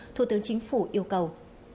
thủ tướng chính phủ yêu cầu